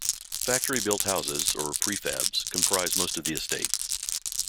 Factory built houses, or prefabs, comprise most of the estate.